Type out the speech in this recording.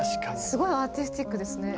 すごいアーティスティックですね。